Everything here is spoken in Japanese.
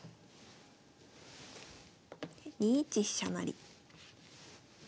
２一飛車成。